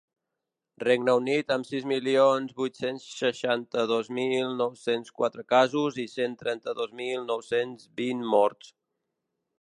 Regne Unit, amb sis milions vuit-cents seixanta-dos mil nou-cents quatre casos i cent trenta-dos mil nou-cents vint morts.